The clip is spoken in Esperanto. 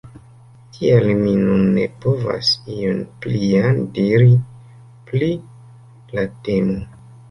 Tial mi nun ne povas ion plian diri pri la temo.